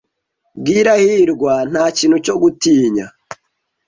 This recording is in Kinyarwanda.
Bwira hirwa ntakintu cyo gutinya.